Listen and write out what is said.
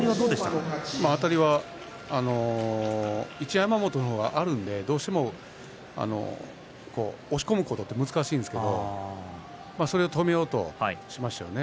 あたりは一山本の方があるのでどうしても押し込むことが難しいんですけどそれを止めようとしましたよね。